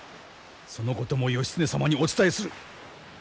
そのことも義経様にお伝えする。